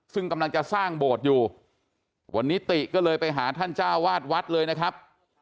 ซึ่งกำลังจะสร้างโบสถ์อยู่วันนี้ติก็เลยไปหาท่านเจ้าวาดวัดเลยนะครับ